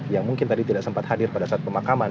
yang mungkin tadi tidak sempat hadir pada saat pemakaman